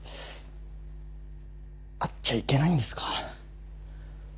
会っちゃいけないんですか。